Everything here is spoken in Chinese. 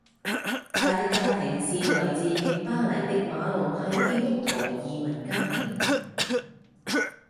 他的家庭是来自黎巴嫩的马龙派基督徒移民家庭。